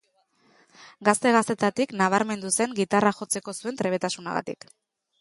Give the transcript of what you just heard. Gazte-gaztetatik nabarmendu zen gitarra jotzeko zuen trebetasunagatik.